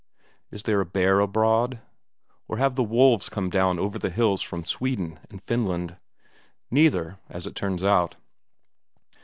Is there a bear abroad? Or have the wolves come down over the hills from Sweden and Finland? Neither, as it turns out.